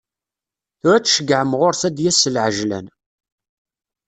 Tura ad tceyyɛem ɣur-s ad d-yas s lɛejlan.